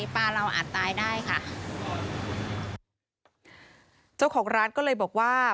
เจ้าของร้านก็เลยบอกว่า